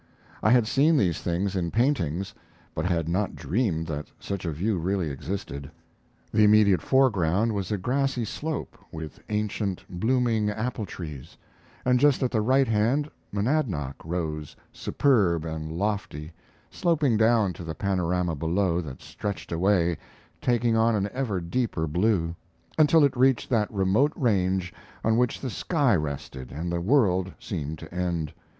I had seen these things in paintings, but I had not dreamed that such a view really existed. The immediate foreground was a grassy slope, with ancient, blooming apple trees; and just at the right hand Monadnock rose, superb and lofty, sloping down to the panorama below that stretched away, taking on an ever deeper blue, until it reached that remote range on which the sky rested and the world seemed to end.